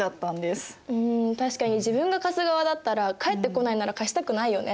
ん確かに自分が貸す側だったら返ってこないなら貸したくないよね。